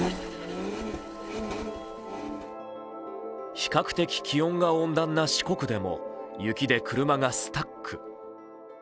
比較的、気温が温暖な四国でも雪で車がスタック。